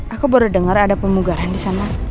aku baru denger ada pemugaran disana